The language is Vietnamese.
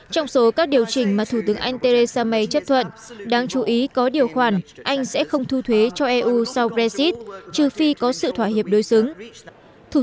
trong số các điều chỉnh mà thủ tướng anh theresa may chấp thuận đáng chú ý có điều khoản anh sẽ không thu thuế cho eu